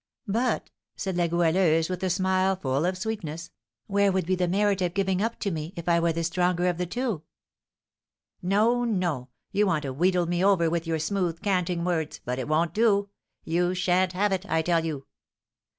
"But," said La Goualeuse, with a smile full of sweetness, "where would be the merit of giving up to me, if I were the stronger of the two?" "No, no; you want to wheedle me over with your smooth, canting words; but it won't do, you sha'n't have it, I tell you."